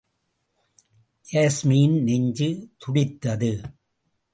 யாஸ்மியின் நெஞ்சு துடித்தது.